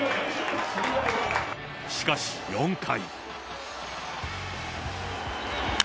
しかし４回。